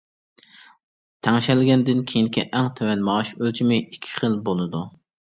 تەڭشەلگەندىن كېيىنكى ئەڭ تۆۋەن مائاش ئۆلچىمى ئىككى خىل بولىدۇ.